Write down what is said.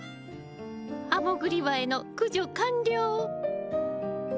ハモグリバエの駆除完了。